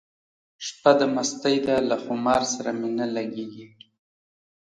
شپه د مستۍ ده له خمار سره مي نه لګیږي